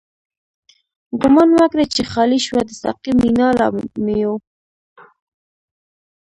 گومان مکړه چی خالی شوه، د ساقی مینا له میو